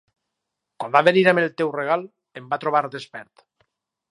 Quan va venir amb el teu regal, em va trobar despert.